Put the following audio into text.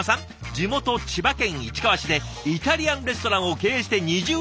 地元千葉県市川市でイタリアンレストランを経営して２０年以上。